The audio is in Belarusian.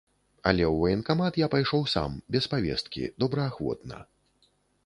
Але ў ваенкамат я пайшоў сам, без павесткі, добраахвотна.